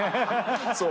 そう。